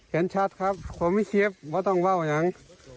เห็นชัดครับผมไม่เชียบว่าต้องว่าวยัง